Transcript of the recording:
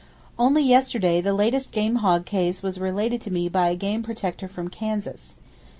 Only yesterday the latest game hog case was related to me by a game protector from Kansas.